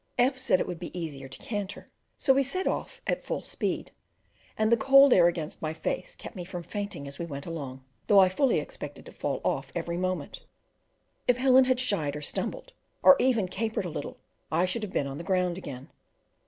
F said it would be easier to canter; so we set off at full speed, and the cold air against my face kept me from fainting as we went along, though I fully expected to fall off every moment; if Helen had shied, or stumbled, or even capered a little, I should have been on the ground again.